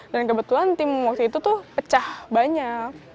dan kebetulan tim waktu itu tuh pecah banyak